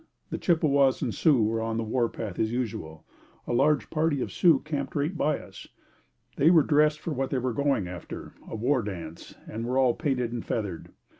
The Chippewas and Sioux were on the warpath as usual. A large party of Sioux camped right by us. They were dressed for what they were going after, a war dance, and were all painted and feathered.